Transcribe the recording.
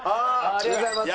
ありがとうございます。